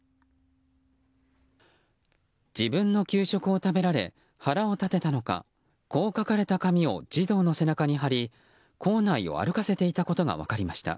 自分の給食を食べられ腹を立てたのかこう書かれた紙を児童の背中に貼り校内を歩かせていたことが分かりました。